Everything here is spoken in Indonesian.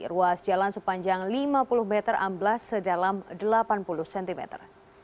ruas jalan sepanjang lima puluh hektare